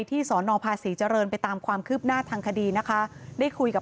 กล้องวงจรปิดในโรงเรียนด้วยค่ะ